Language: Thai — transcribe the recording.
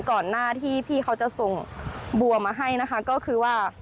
ก่อนหน้าที่พี่เขาจะส่งบัวมาให้นะคะ